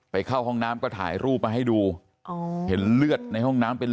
เข้าห้องน้ำก็ถ่ายรูปมาให้ดูอ๋อเห็นเลือดในห้องน้ำเป็น